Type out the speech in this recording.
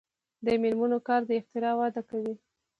د میرمنو کار د اختراع وده کوي.